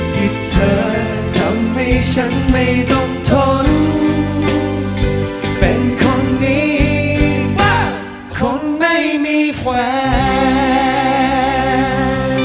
ที่เธอทำให้ฉันไม่ต้องทนเป็นคนดีบ้างคนไม่มีแฟน